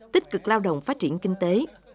tích cực lao động phát triển kinh tế